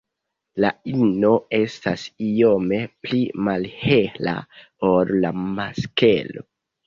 La ino estas iome pli malhela ol la masklo.